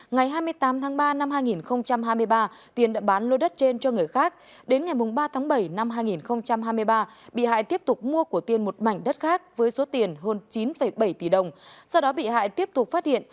ngày hai mươi tám tháng ba năm hai nghìn hai mươi ba tiên đã bán lô đất trên cho người khác đến ngày ba tháng bảy năm hai nghìn hai mươi ba bị hại tiếp tục mua của tiên một mảnh đất khác với số tiền hơn chín bảy tỷ đồng sau đó bị hại tiếp tục phát hiện